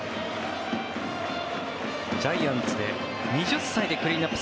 ジャイアンツで２０歳でクリーンアップ